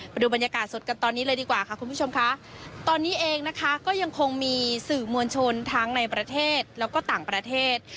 ไปดูบรรยากาศสดกันตอนนี้เลยดีกว่าค่ะคุณผู้ชมค่ะตอนนี้เองนะคะก็ยังคงมีสื่อมวลชนทั้งในประเทศแล้วก็ต่างประเทศ